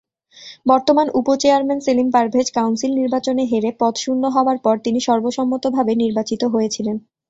বর্তমান উপ-চেয়ারম্যান সেলিম পারভেজ কাউন্সিল নির্বাচনে হেরে পদ শূন্য হওয়ার পরে তিনি সর্বসম্মতভাবে নির্বাচিত হয়েছিলেন।